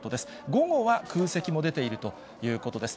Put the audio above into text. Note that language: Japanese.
午後は空席も出ているということです。